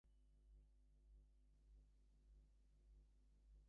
For the military, a lower number implies an older vessel.